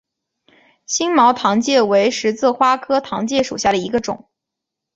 星毛糖芥为十字花科糖芥属下的一个种。